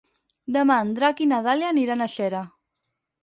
Demà en Drac i na Dàlia aniran a Xera.